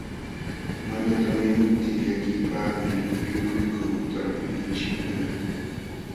Mana tamyamuptin llakiypaqmi quyukuykun talpuyninchikkuna.